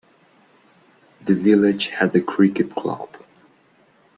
The village has a cricket club.